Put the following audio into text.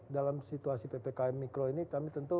dalam situasi ppkm mikro ini kami tentu